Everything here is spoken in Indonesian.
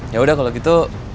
ya udah kalau gitu